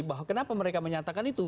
bahwa kenapa mereka menyatakan itu